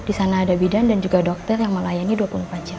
di sana ada bidan dan juga dokter yang melayani dua puluh empat jam